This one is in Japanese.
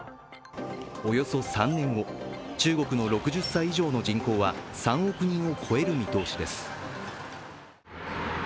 およそ３年後、中国の６０歳以上の人口は３億人を超える見通しです。